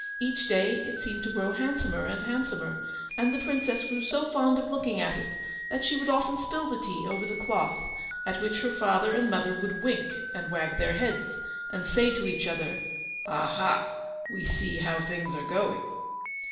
Each day it seemed to grow handsomer and handsomer, and the Princess grew so fond of looking at it, that she would often spill the tea over the cloth, at which her father and mother would wink and wag their heads; and say to each other, "Aha! we see how things are going."